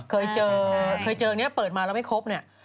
เคยเจออย่างนี้เปิดมาแล้วไม่ครบ